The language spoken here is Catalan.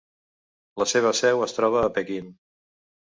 La seva seu es troba a Pequín.